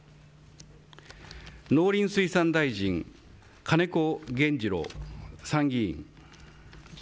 農林水産大臣、金子原二郎、参議院。